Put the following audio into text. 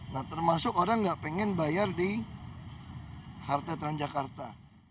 nah termasuk orang nggak pengen bayar di harta transjakarta